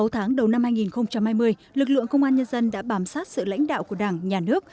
sáu tháng đầu năm hai nghìn hai mươi lực lượng công an nhân dân đã bám sát sự lãnh đạo của đảng nhà nước